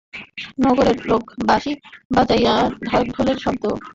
নগরের লোক বাঁশি বাজাইয়া ঢাকঢোলের শব্দ করিয়া হুলুধ্বনি ও শঙ্খধ্বনির সহিত নক্ষত্ররায়কে আহ্বান করিল।